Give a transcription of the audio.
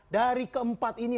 dari keempat ini